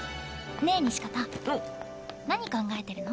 ねえ西片何考えてるの？